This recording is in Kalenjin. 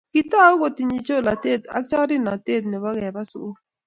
Kitoku kotinyei cholatet ak chorirenet nebo keba sugul